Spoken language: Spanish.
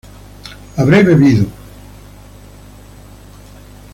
habré bebido